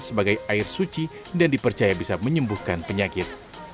sebagai air suci dan dipercaya bisa menyembuhkan penyakit